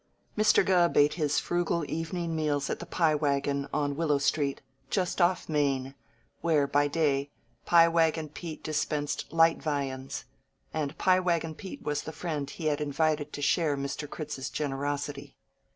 Mr. Gubb ate his frugal evening meals at the Pie Wagon, on Willow Street, just off Main, where, by day, Pie Wagon Pete dispensed light viands; and Pie Wagon Pete was the friend he had invited to share Mr. Critz's generosity.